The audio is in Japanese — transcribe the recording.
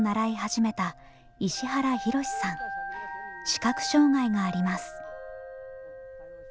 視覚障害があります。